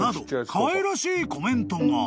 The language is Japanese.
かわいらしいコメントが］